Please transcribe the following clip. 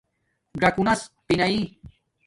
ژَکونس پِینائ